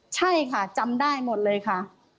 ใช่ค่ะจำได้หมดเลยค่ะ